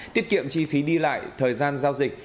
tiết kiệm chi phí đi lại thời gian giao dịch